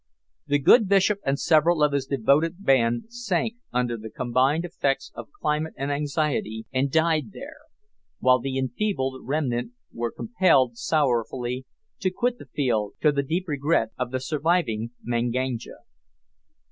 The good bishop and several of his devoted band sank under the combined effects of climate and anxiety, and died there, while the enfeebled remnant were compelled, sorrowfully, to quit the field, to the deep regret of the surviving Manganja.